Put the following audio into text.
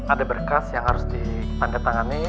ada berkas yang harus ditandatangani